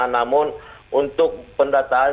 namun untuk pendatangan